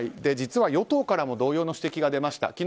実は与党からも同様の指摘が出ました。